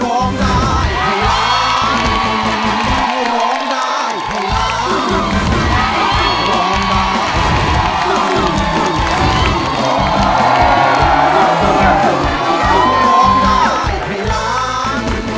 ให้ร้องได้ให้ร้องให้ล้าง